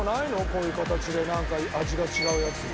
こういう形でなんか味が違うやつ。